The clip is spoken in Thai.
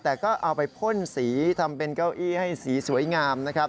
แต่ก็เอาไปพ่นสีทำเป็นเก้าอี้ให้สีสวยงามนะครับ